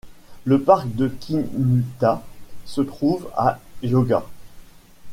Le Parc de Kinuta se trouve à Yôga.